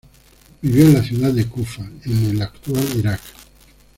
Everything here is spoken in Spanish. Vivió en la ciudad de Kufa, en el actual Irak.